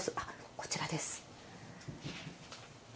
こちらです。